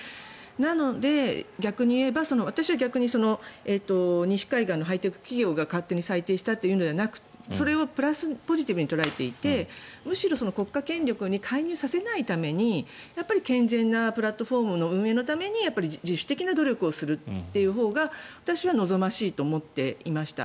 なので、逆に言えば私は逆に西海岸のハイテク企業が勝手に裁定したというのではなくてそれをポジティブに捉えていてむしろ国家権力に介入させないためにやっぱり健全なプラットフォームの運営のために自主的な努力をするというほうが私は望ましいと思っていました。